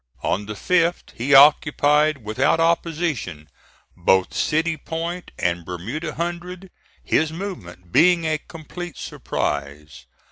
On the 5th, he occupied, without opposition, both City Point and Bermuda Hundred, his movement being a complete surprise.